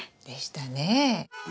でしたね。